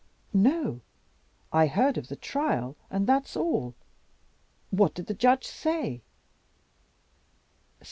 "No; I heard of the trial, and that's all. What did the judge say?"